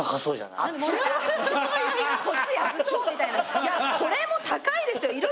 いやこれも高いですよ